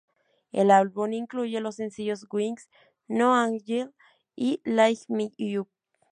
El álbum incluye los sencillos "Wings", "No Angel" y "Light Me Up".